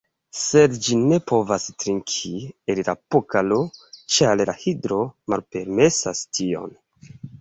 Sed ĝi ne povas trinki el la Pokalo, ĉar la Hidro malpermesas tion.